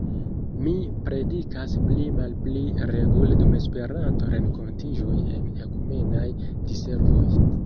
Mi predikas pli-malpli regule dum Esperanto-renkontiĝoj en ekumenaj diservoj.